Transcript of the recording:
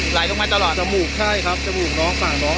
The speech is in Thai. ไหลลงมาตลอดจมูกใช่ครับจมูกน้องฝั่งน้อง